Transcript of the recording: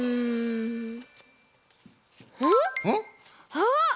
あっ！